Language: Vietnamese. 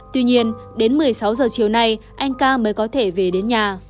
tuy nhiên đến một mươi sáu h chiều nay anh k mới có thể về đến nhà